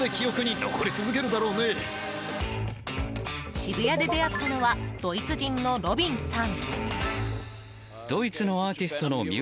渋谷で出会ったのはドイツ人のロビンさん。